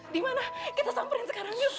di mana kita samperin sekarang yuk